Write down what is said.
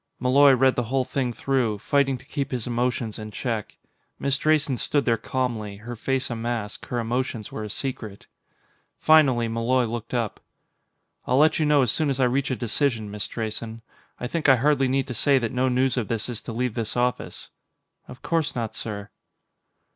Malloy read the whole thing through, fighting to keep his emotions in check. Miss Drayson stood there calmly, her face a mask; her emotions were a secret. Finally, Malloy looked up. "I'll let you know as soon as I reach a decision, Miss Drayson. I think I hardly need say that no news of this is to leave this office." "Of course not, sir."